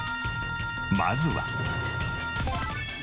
まずは。